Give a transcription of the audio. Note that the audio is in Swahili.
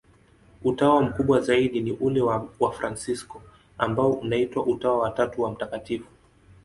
Utawa mkubwa zaidi ni ule wa Wafransisko, ambao unaitwa Utawa wa Tatu wa Mt.